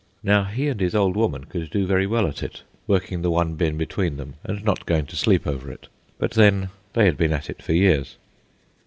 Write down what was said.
Now he and his old woman could do very well at it, working the one bin between them and not going to sleep over it; but then, they had been at it for years.